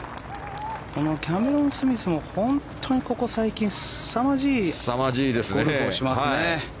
キャメロン・スミスも本当にここ最近すさまじいゴルフをしますね。